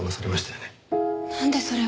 なんでそれを？